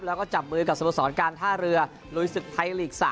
แล้วก็จับมือกับสโมสรการท่าเรือลุยศึกไทยลีก๓